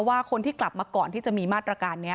ว่าคนที่กลับมาก่อนที่จะมีมาตรการนี้